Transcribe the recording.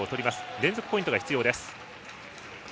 連続ポイントが必要です。